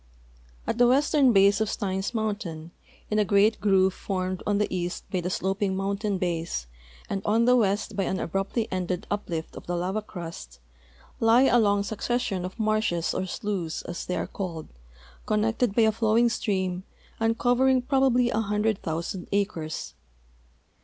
At the western base of Steins mountain, in a great groove formed on the east b}'' the slo|)ing mountain base and on the west by an abruptly ended Uj)lift of the lava crust, lie a long succession of marshes or slews, as they are called, connected by allowing stream and covering prolaibly a hundred thousand acres.